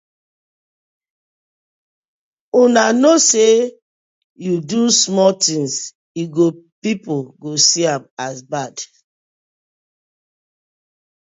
Una kno say yu do small tins e go pipu go see am as bad.